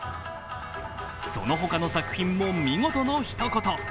その他の作品も見事のひとこと。